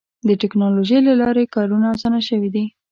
د ټکنالوجۍ له لارې کارونه اسانه شوي دي.